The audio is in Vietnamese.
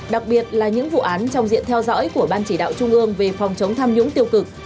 đặc biệt là những vụ án trong diện theo dõi của ban chỉ đạo trung ương về phòng chống tham nhũng tiêu cực